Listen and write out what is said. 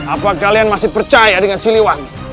apa kalian masih percaya dengan siliwan